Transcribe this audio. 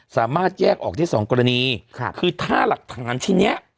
สามารถแยกออกที่๒กรณีคือถ้าหลักฐานที่นี้